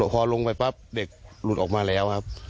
พอลงไปปั๊บเด็กหลุดออกมาแล้วครับ